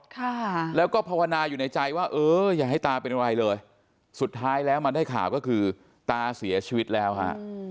ค่ะแล้วก็ภาวนาอยู่ในใจว่าเอออย่าให้ตาเป็นอะไรเลยสุดท้ายแล้วมาได้ข่าวก็คือตาเสียชีวิตแล้วฮะ